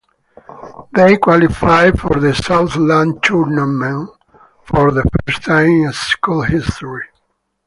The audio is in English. They qualified for the Southland Tournament for the first time in school history.